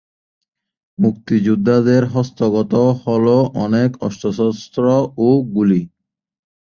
মুক্তিযোদ্ধাদের হস্তগত হলো অনেক অস্ত্রশস্ত্র ও গুলি।